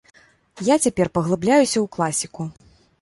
Я цяпер паглыбляюся ў класіку.